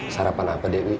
sarapan apa dewi